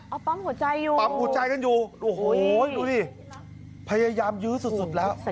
เอาปั๊มหัวใจอยู่โอ้โหยยดูดิพยายามยื้อสุดแล้ว